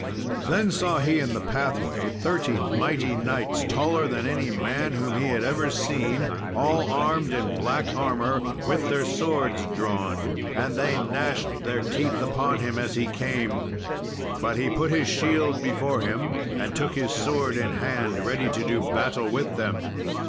Then saw he in the pathway thirty mighty knights, taller than any men whom he had ever seen, all armed in black armour, with their swords drawn; and they gnashed their teeth upon him as he came. But he put his shield before him, and took his sword in hand, ready to do battle with them.